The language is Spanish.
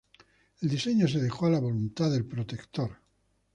El diseño se dejó a la voluntad del Protector.